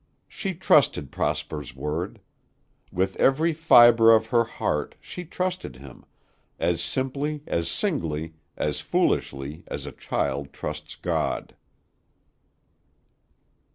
She trusted Prosper's word. With every fiber of her heart she trusted him, as simply, as singly, as foolishly as a child trusts God.